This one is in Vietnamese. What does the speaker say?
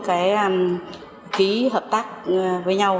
ký hợp tác với nhau